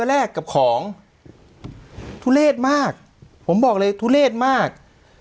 แรกกับของทุเลศมากผมบอกเลยทุเลศมาก